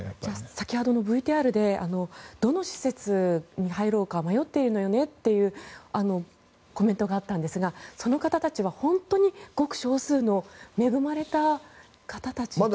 先ほどのＶＴＲでどの施設に入ろうか迷っているのよねというコメントがあったんですがその方たちは本当にごく少数の恵まれた方たちということですか。